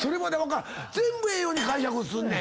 全部ええように解釈すんねん！